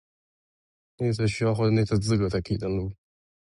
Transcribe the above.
内测需要获得内测资格才可以登录